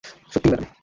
সত্যিই, ম্যাডাম।